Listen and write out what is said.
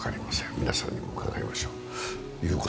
皆さんにも伺いましょう。